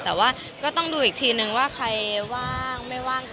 แต่ว่าก็ต้องดูอีกทีนึงว่าใครว่างไม่ว่าง